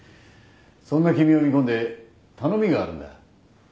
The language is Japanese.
そんな君を見込んで頼みがあるんだ。